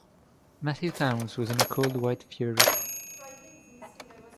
Matthew Towns was in a cold white fury.